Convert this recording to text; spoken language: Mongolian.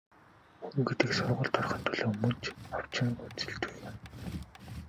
Хүн гэдэг сургуульд орохын төлөө мөн ч овжин хөөцөлдөх юм.